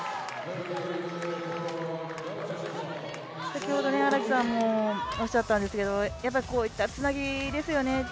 先ほど荒木さんもおっしゃったんですけどこういったつなぎですよね。